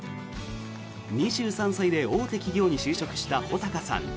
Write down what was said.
２３歳で大手企業に就職した穂高さん。